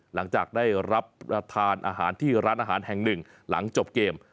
หลังจากได้รับประทานอาหารที่ร้านอาหารแห่งหนึ่งหลังจบเกม